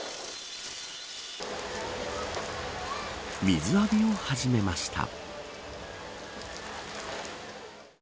水浴びを始めました。